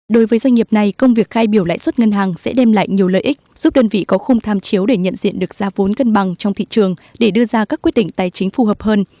đối với doanh nghiệp này công việc khai biểu lãi suất ngân hàng sẽ đem lại nhiều lợi ích giúp đơn vị có khung tham chiếu để nhận diện được ra vốn cân bằng trong thị trường để đưa ra các quyết định tài chính phù hợp hơn